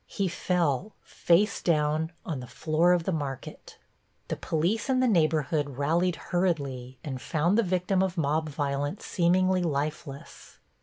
He fell, face down, on the floor of the market. The police in the neighborhood rallied hurriedly and found the victim of mob violence seemingly lifeless.